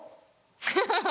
フフフ。